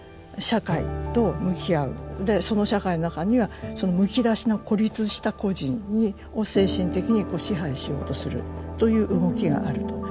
でその社会の中にはそのむき出しの孤立した個人を精神的に支配しようとするという動きがあると。